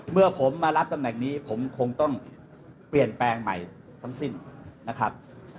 เมื่อผมมารับตำแหน่งนี้ผมคงต้องเปลี่ยนแปลงใหม่ทั้งสิ้นนะครับ